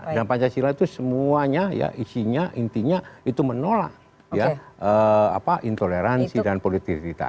dan pancasila itu semuanya ya isinya intinya itu menolak ya intoleransi dan politik identitas